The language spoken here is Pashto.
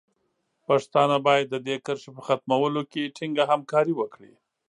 پښتانه باید د دې کرښې په ختمولو کې ټینګه همکاري وکړي.